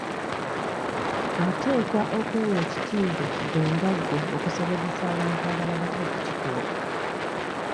Oteekwa okwewa ekitiibwa gwe nga gwe okusobozesa abantu abalala okukikuwa.